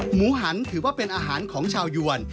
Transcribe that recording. หมูหันถือว่าเป็นอาหารของชาวยวน